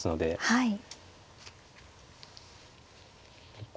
はい。